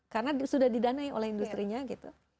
karena sudah didanai oleh industri nya gitu